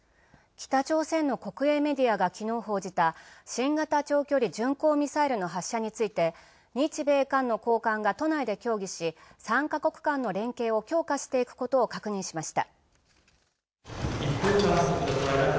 北朝鮮の国営メディアが昨日報じた、新型長距離巡航ミサイルの発射について、日米韓の高官が都内で協議し、３カ国間の連携を強化していくことを確認しました。